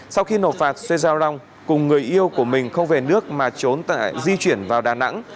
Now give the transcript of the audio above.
sau khi nộp phạt xoay rau rong cùng người yêu của mình không về nước mà trốn di chuyển vào đà nẵng